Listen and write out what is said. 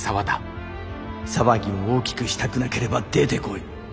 騒ぎを大きくしたくなければ出てこい。